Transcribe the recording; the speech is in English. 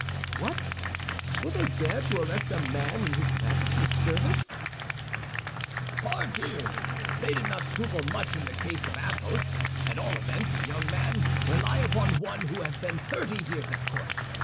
"What! Will they dare to arrest a man in his Majesty's service?" "Pardieu! They did not scruple much in the case of Athos. At all events, young man, rely upon one who has been thirty years at court.